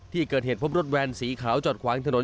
ที่เกิดเหตุพบรถแวนสีขาวจอดขวางถนน